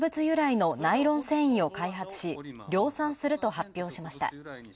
由来のナイロン繊維を開発し量産すると発表しました。